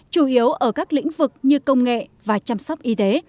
chủ yếu ở các lĩnh vực như công nghệ và chăm sóc y tế